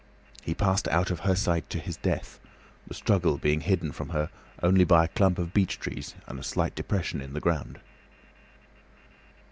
He passed out of her sight to his death, the struggle being hidden from her only by a clump of beech trees and a slight depression in the ground.